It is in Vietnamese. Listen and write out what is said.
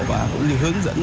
và cũng như hướng dẫn